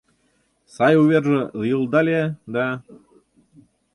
Сай уверже лийылдале, да